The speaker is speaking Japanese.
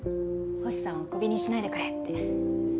星さんをクビにしないでくれって。